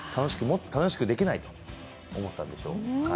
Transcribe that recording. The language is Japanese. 楽しくできないと思ったんでしょう。